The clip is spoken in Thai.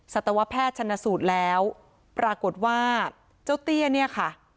สัตวแพทย์ชนสูตรแล้วปรากฏว่าเจ้าเตี้ยเนี่ยค่ะ